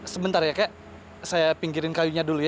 sebentar ya kek saya pinggirin kayunya dulu ya